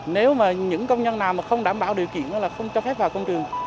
nếu mà những công nhân nào mà không đảm bảo điều kiện là không cho phép vào công trường